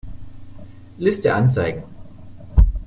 Liste anzeigen.